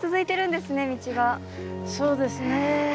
そうですね。